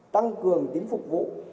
tăng cường tính phục vụ